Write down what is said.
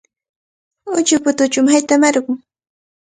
Utsuputuuchawmi haytamarqun.